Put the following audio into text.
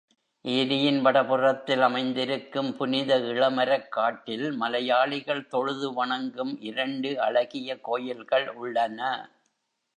ஏரியின் வட புறத்தில் அமைந்திருக்கும் புனித இளமரக் காட்டில் மலையாளிகள் தொழுது வணங்கும் இரண்டு அழகிய கோயில்கள் உள்ளன.